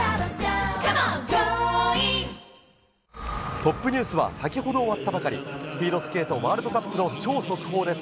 トップニュースは先ほど終わったばかりスピードスケートワールドカップの超速報です。